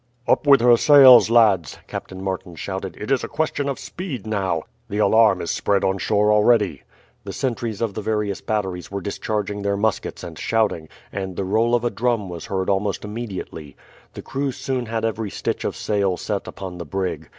"Up with her sails, lads!" Captain Martin shouted; "it is a question of speed now. The alarm is spread on shore already." The sentries of the various batteries were discharging their muskets and shouting, and the roll of a drum was heard almost immediately. The crew soon had every stitch of sail set upon the brig.